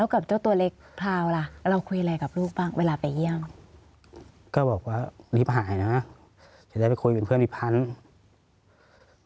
ก็บอกว่ารีบหายนะเดี๋ยวได้ไปคุยเป็นเพื่อนพี่พันธุ์